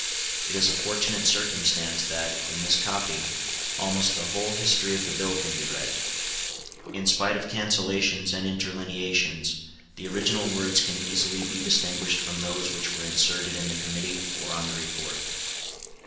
It is a fortunate circumstance that, in this copy, almost the whole history of the Bill can be read. In spite of cancellations and interlineations, the original words can easily be distinguished from those which were inserted in the committee or on the report.